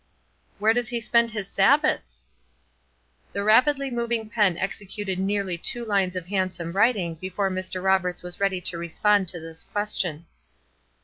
"Where does he spend his Sabbaths?" The rapidly moving pen executed nearly two lines of handsome writing before Mr. Roberts was ready to respond to this question.